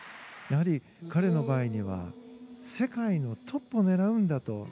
やはり彼の場合には世界のトップを狙うんだと。